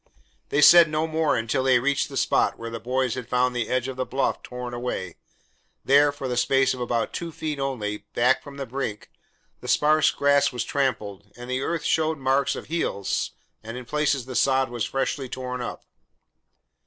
They said no more until they reached the spot where the boys had found the edge of the bluff torn away. There, for a space of about two feet only, back from the brink, the sparse grass was trampled, and the earth showed marks of heels and in places the sod was freshly torn up.